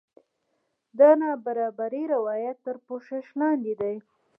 د نابرابرۍ روایت تر پوښتنې لاندې دی.